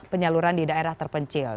penyaluran di daerah terpencil